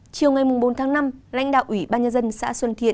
chiều ngày bốn tháng năm lãnh đạo ủy ban nhân dân xã xuân thiện